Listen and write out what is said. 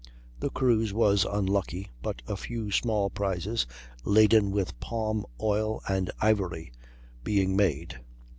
The cruise was unlucky, but a few small prizes, laden with palm oil and ivory, being made.